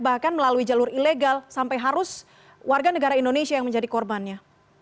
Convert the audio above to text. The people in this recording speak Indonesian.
bahkan melalui jalur ilegal sampai harus warga negara indonesia yang menjadi korbannya